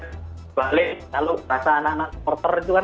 lalu rasa anak anak supporter itu kan